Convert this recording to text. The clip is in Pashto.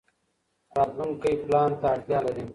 راتلونکی پلان ته اړتیا لري.